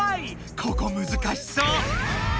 ここむずかしそう。